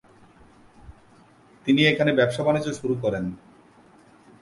তিনি এখানে ব্যবসা বাণিজ্য শুরু করেন।